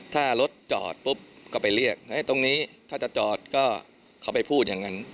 ถ้ารถจอดปุ๊บก็ไปเรียกตรงนี้ถ้าจะจอดก็เขาไปพูดอย่างนั้น